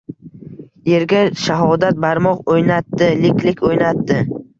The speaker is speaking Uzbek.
Yerga shahodat barmoq o‘ynatdi. Lik-lik o‘ynatdi.